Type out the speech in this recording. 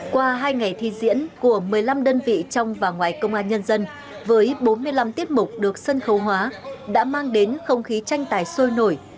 qua hai ngày thi diễn của một mươi năm đơn vị trong và ngoài công an nhân dân với bốn mươi năm tiết mục được sân khấu hóa đã mang đến không khí tranh tài sôi nổi